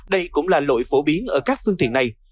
đây cũng là lỗi phổ biến ở các phương tiện này